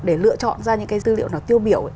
để lựa chọn ra những cái dữ liệu nào tiêu biểu